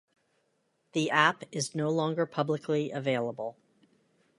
The app is no longer publicly available.